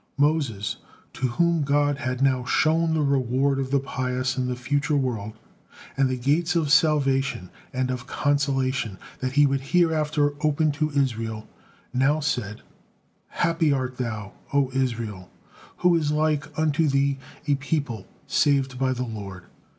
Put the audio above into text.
Moses, to whom God had now shown the reward of the pious in the future world, and the gates of salvation and of consolation that He would hereafter open to Israel, now said: "Happy art thou, O Israel: who is like unto thee, a people saved by the Lord!"